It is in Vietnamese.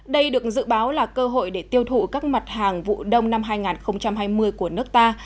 đây được dự báo là cơ hội để tiêu thụ các mặt hàng vụ đông năm hai nghìn hai mươi của nước ta